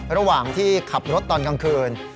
ระหว่างที่ขับรถตอนกลางคืน